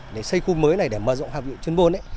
để xây khu mới này để mở rộng hoạt viện chuyên môn ấy